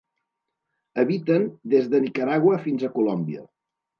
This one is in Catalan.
Habiten des de Nicaragua fins a Colòmbia.